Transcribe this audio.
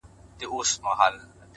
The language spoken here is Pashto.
ټوله وركه يې _